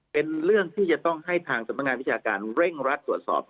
เป็นเรื่องที่จะต้องให้ทางสำนักงานวิชาการเร่งรัดตรวจสอบ